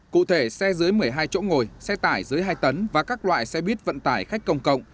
cụ thể xe dưới một mươi hai chỗ ngồi xe tải dưới hai tấn và các loại xe buýt vận tải khách công cộng